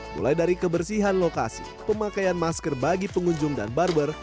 mulai dari kebersihan lokasi pemakaian masker bagi pengunjung dan barber